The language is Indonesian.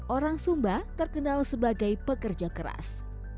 orang sumba terkenal sebagai pekerja keras